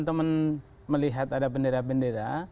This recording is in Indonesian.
teman teman melihat ada bendera bendera